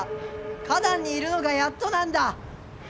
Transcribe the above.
花壇にいるのがやっとなんだ！